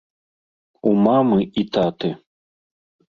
У мамы і таты.